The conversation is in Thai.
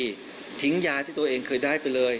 แล้วการต้องยายที่ต่อเองเข้าไปเลย